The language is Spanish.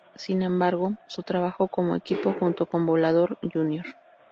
Sin embargo, su trabajo como equipo junto con Volador, Jr.